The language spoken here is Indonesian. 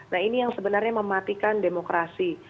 nah ini yang sebenarnya mematikan demokrasi